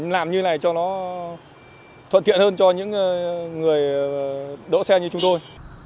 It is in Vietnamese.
làm như này cho nó thuận tiện hơn cho những người đỗ xe như chúng tôi